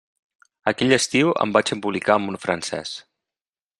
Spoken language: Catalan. Aquell estiu em vaig embolicar amb un francès.